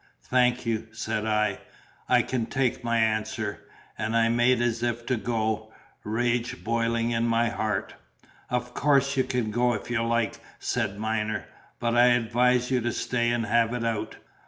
"Thank you," said I. "I can take my answer," and I made as if to go, rage boiling in my heart. "Of course you can go if you like," said Myner; "but I advise you to stay and have it out."